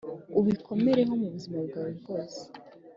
ubikomereho mu buzima bwawe bwose,